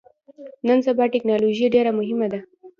نن سبا ټکنالوژي ډیره مهمه ده